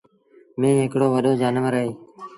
ميݩهن هڪڙو وڏو جآݩور اهي۔